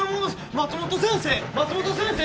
松本先生松本先生！